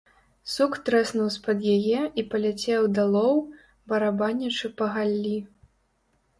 Сук трэснуў з-пад яе і паляцеў далоў, барабанячы па галлі.